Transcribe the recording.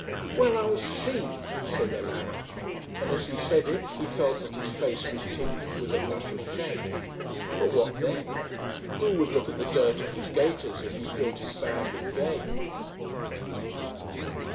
'Well, I'll see,' said Alaric; and as he said it, he felt that his face was tinged with a blush of shame. But what then? Who would look at the dirt on his gaiters, if he filled his bag with game?